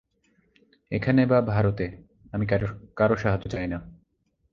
এখানে বা ভারতে আমি কারও সাহায্য চাই না।